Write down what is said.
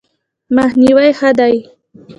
مخنیوی ښه دی.